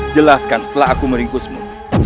jelaskan setelah aku meringkusmu